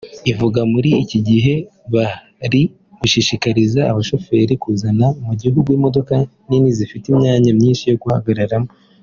ivuga muri iki gihe bari gushishikariza abashoramari kuzana mu gihugu imodoka nini zifite imyanya myinshi yo guhagararamo